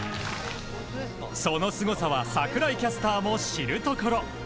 そのすごさは櫻井キャスターも知るところ。